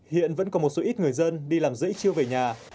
hiện vẫn có một số ít người dân đi làm dễ chiêu về nhà